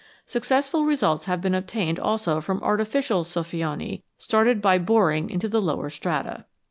Successful results have been obtained also from artificial sqffioni, started by boring into the lower strata.